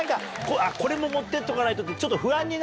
これも持ってっとかないとってちょっと。